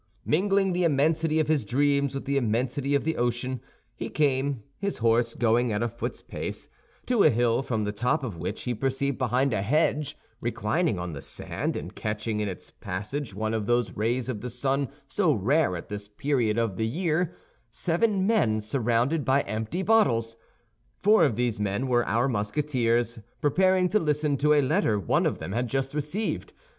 Mingling the immensity of his dreams with the immensity of the ocean, he came, his horse going at a foot's pace, to a hill from the top of which he perceived behind a hedge, reclining on the sand and catching in its passage one of those rays of the sun so rare at this period of the year, seven men surrounded by empty bottles. Four of these men were our Musketeers, preparing to listen to a letter one of them had just received.